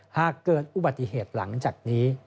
หากเกิดอุบัติเหตุหลังจากนี้